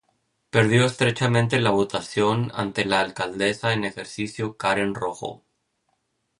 Perdió estrechamente la votación ante la alcaldesa en ejercicio Karen Rojo.